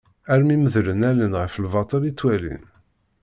Armi medlen allen ɣef lbaṭel i ttwalin.